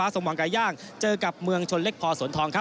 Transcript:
สมหวังไก่ย่างเจอกับเมืองชนเล็กพอสวนทองครับ